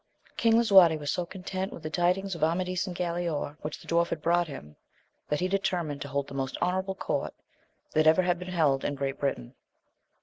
ING LISUAETE was so content with the tidings of Amadis and Galaor, which the dwarf had brought him, that he determined to hold the most honourable court that ever had been held in Great Britain.